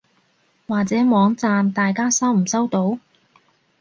或者網站大家收唔收到？